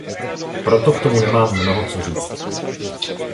Proto k tomu nemám mnoho co říct.